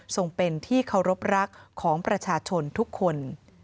ส่งเป็นที่เคารพรักของประชาชนทุกคน